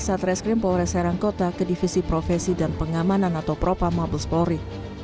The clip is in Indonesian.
satreskrim polres herangkota ke divisi profesi dan pengamanan atau propa mabelspori